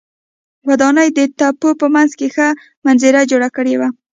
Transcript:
ودانۍ د تپو په منځ ښه منظره جوړه کړې وه.